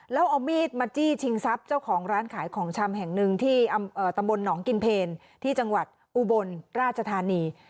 แล้วเอามีดมาจี้ชิงทรัพย์เจ้าของร้านขายของชำแห่งหนึ่งที่ตำบลหนองกินเพลที่จังหวัดอุบลราชธานี